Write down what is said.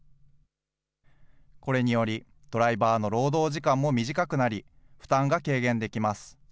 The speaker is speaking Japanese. これにより、ドライバーの労働時間も短くなり、負担が軽減できます。